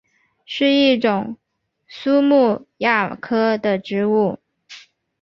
是一种苏木亚科的植物。